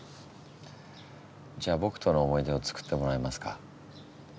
じゃあ僕との思い出を作ってもらえますか？